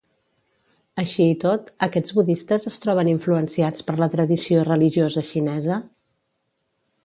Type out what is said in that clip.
Així i tot, aquests budistes es troben influenciats per la tradició religiosa xinesa?